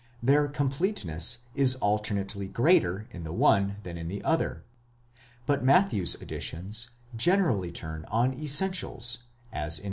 Their completeness is alternately greater in the one than in the other; but Matthew's additions generally turn on essentials, as in v.